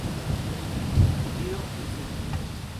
Chihiro Suzuki